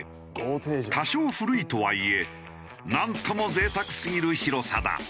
多少古いとはいえなんとも贅沢すぎる広さだ。